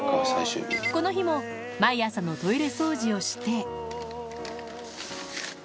この日も毎朝のトイレ掃除をして。